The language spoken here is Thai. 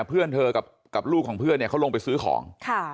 เพื่อนเธอกับลูกของเพื่อนเนี่ยเขาลงไปซื้อของ